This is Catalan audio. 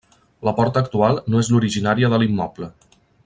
La porta actual no és l'originària de l'immoble.